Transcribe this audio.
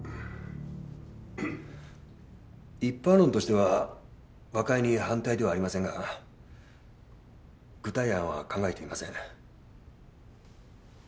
一般論としては和解に反対ではありませんが具体案は考えていません。